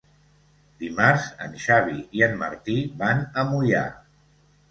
Dimarts en Xavi i en Martí van a Moià.